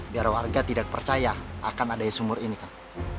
biar warga tidak percaya akan ada yang sumur ini kang